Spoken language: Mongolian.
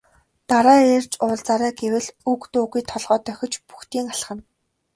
Дараа ирж уулзаарай гэвэл үг дуугүй толгой дохиж бөгтийн алхана.